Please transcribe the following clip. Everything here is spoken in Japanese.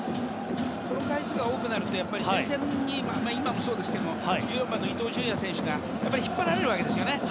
この回数が多くなると今もそうですが、前線に伊東純也選手が引っ張られるんですよね。